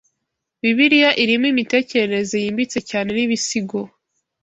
Bibiliya irimo imitekerereze yimbitse cyane n’ibisigo